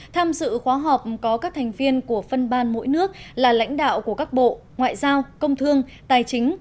tham dự khóa họp có các thành viên của phân ban mỗi nước là lãnh đạo của các bộ ngoại giao công thương tài chính